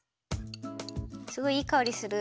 すごいいいかおりする。